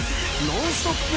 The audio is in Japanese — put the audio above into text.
ノンストップ！